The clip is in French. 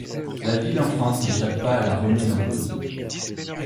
La ville en France, n’échappe pas à la remise en cause.